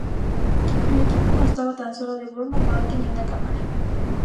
El equipo constaba tan solo de Boorman, Malkin y un cámara.